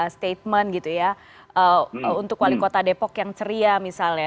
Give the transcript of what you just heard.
statement gitu ya untuk wali kota depok yang ceria misalnya